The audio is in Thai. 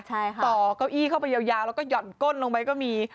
ใช่ค่ะต่อเก้าอี้เข้าไปยาวแล้วก็ห่อนก้นลงไปก็มี